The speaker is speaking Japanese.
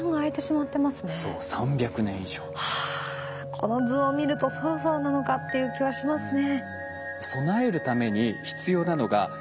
この図を見るとそろそろなのかっていう気はしますね。